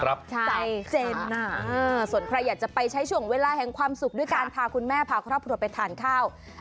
ใจเจนส่วนใครอยากจะไปใช้ช่วงเวลาแห่งความสุขด้วยการพาคุณแม่พาครอบครัวไปทานข้าว